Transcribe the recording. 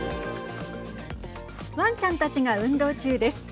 ワンちゃんたちが運動中です。